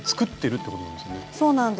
そうなんです。